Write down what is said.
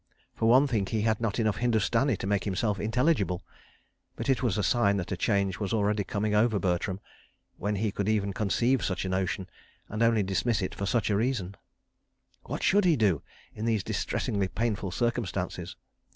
For one thing he had not enough Hindustani to make himself intelligible. (But it was a sign that a change was already coming over Bertram, when he could even conceive such a notion, and only dismiss it for such a reason.) What should he do, in these distressingly painful circumstances?